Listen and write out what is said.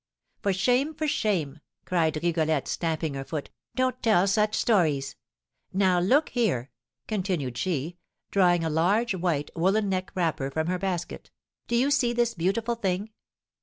"For shame for shame," cried Rigolette, stamping her foot; "don't tell such stories. Now, look here," continued she, drawing a large, white, woollen neck wrapper from her basket; "do you see this beautiful thing?